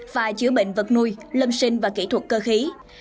và chữa bệnh vật nuôi lâm sinh và kỹ thuật cơ khí